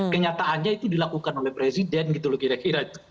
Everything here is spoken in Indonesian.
kenyataannya itu dilakukan oleh presiden gitu loh kira kira